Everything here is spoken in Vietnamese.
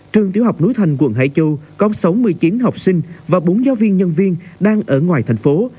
trường tiểu học núi thành quận hải châu có sáu mươi chín học sinh và bốn giáo viên nhân viên đang ở ngoài thành phố